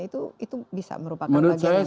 itu bisa merupakan bagian yang harus